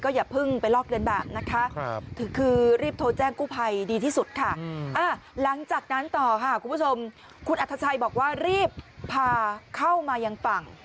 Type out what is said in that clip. ก็อย่าเพิ่งไปลอกเป็นแบบนะคะ